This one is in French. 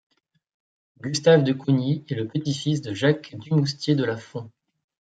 Gustave de Cougny est le petit-fils de Jacques Dumoustier de La Fond.